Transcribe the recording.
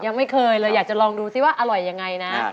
ยังไม่เคยเลยอยากจะลองดูซิว่าอร่อยยังไงนะ